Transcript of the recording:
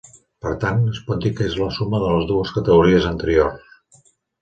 Per tant, es pot dir que és la suma de les dues categories anteriors.